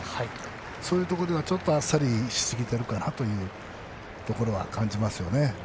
そういうところでは、ちょっとあっさりしすぎているかなという感じますよね。